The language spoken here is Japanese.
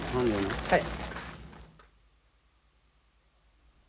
はい。